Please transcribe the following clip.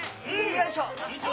よいしょ！